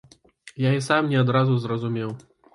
Я і сам не адразу зразумеў.